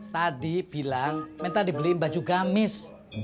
tadi bilang mental dibeliin baju gamis